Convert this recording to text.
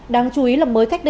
đáng chú ý là mới cách đây